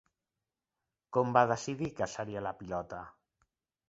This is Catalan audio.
Com va decidir que seria la pilota?